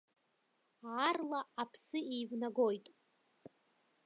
Аарла аԥсы еивнагоит.